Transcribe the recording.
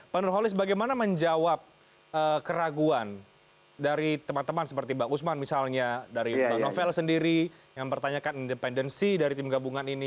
pak nurholis bagaimana menjawab keraguan dari teman teman seperti mbak usman misalnya dari bang novel sendiri yang mempertanyakan independensi dari tim gabungan ini